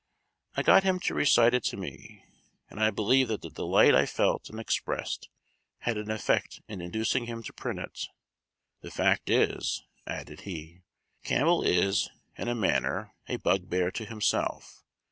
I got him to recite it to me, and I believe that the delight I felt and expressed had an effect in inducing him to print it. The fact is," added he, "Campbell is, in a manner, a bugbear to himself.